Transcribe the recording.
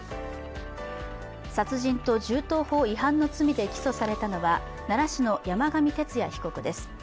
殺人と銃刀法違反の罪で起訴されたのは奈良市の山上徹也被告です。